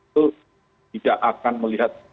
tidak akan melihat